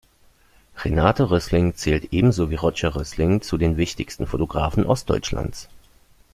Renate Rössing zählt ebenso wie Roger Rössing zu den wichtigsten Fotografen Ostdeutschlands.